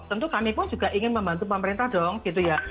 tentu kami pun juga ingin membantu pemerintah dong gitu ya